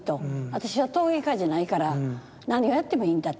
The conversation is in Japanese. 私は陶芸家じゃないから何をやってもいいんだと。